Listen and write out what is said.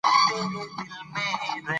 د مور په لارښوونه ماشومان سالم وده کوي.